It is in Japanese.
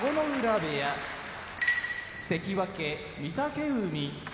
部屋関脇・御嶽海